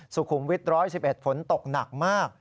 สุขุมวิทย์๑๑๑ฝนตกหนักมาก